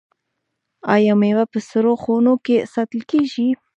آیا میوه په سړو خونو کې ساتل کیږي؟